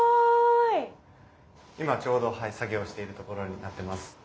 今ちょうど作業しているところになってます。